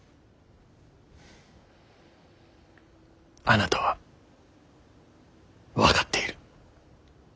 あなたは分かっている。